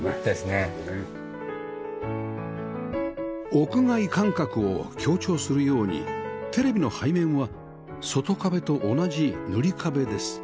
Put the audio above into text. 屋外感覚を強調するようにテレビの背面は外壁と同じ塗り壁です